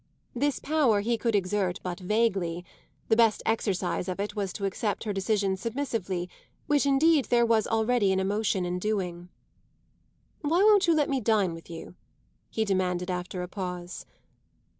This power he could exert but vaguely; the best exercise of it was to accept her decisions submissively which indeed there was already an emotion in doing. "Why won't you let me dine with you?" he demanded after a pause.